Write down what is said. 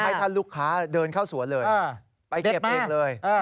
ให้ท่านลูกค้าเดินเข้าสวนเลยไปเก็บเองเลย